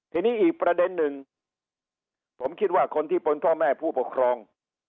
ทีนี้อีกประเด็นหนึ่งผมคิดว่าคนที่เป็นพ่อแม่ผู้ปกครอง